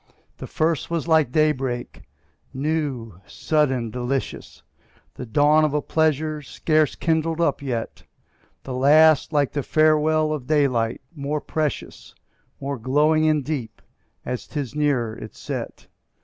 The first was like day break, new, sudden, delicious, The dawn of a pleasure scarce kindled up yet; The last like the farewell of daylight, more precious, More glowing and deep, as 'tis nearer its set.